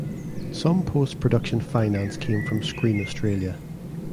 Some post production finance came from Screen Australia.